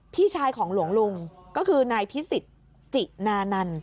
พี่ชายของหลวงลุงก็คือนายพิสิทธิ์จินานัน